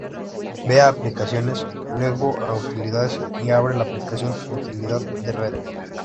Ve a "Aplicaciones", luego a "Utilidades" y abre la aplicación "Utilidad de Red".